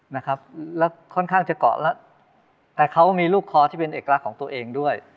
นะครับแล้วค่อนข้างจะเกาะแล้วแต่เขามีลูกคอที่เป็นเอกลักษณ์ของตัวเองด้วย